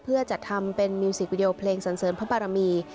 เพื่อจัดทำเป็นมิวสิกวิดีโอเพลงสันเสริญพระบารมี